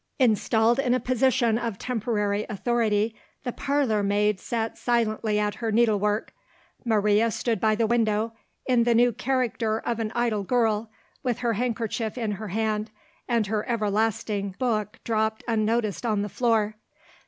Installed in a position of temporary authority, the parlour maid sat silently at her needlework. Maria stood by the window, in the new character of an idle girl with her handkerchief in her hand, and her everlasting book dropped unnoticed on the floor.